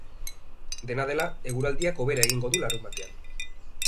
Dena dela, eguraldiak hobera egingo du larunbatean.